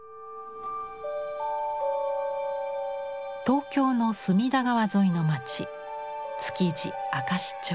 東京の隅田川沿いの街築地明石町。